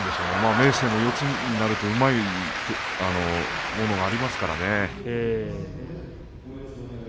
明生も四つになるとうまいものがありますからね。